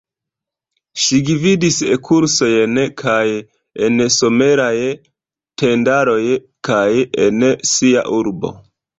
Ŝi gvidis E-kursojn kaj en someraj tendaroj kaj en sia urbo.